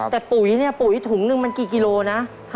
แต่ปุ๋ยเนี่ยปุ๋ยถุงนึงมันกี่กิโลนะ